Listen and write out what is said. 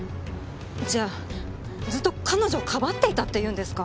じゃあずっと彼女をかばっていたっていうんですか？